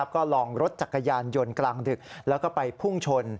ก็ลองรถจักรยานยนต์กลางดึกแล้วก็ไปพุ่งชน